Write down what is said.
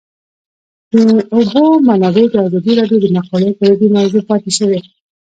د اوبو منابع د ازادي راډیو د مقالو کلیدي موضوع پاتې شوی.